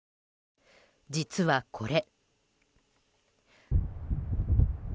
実はこれ。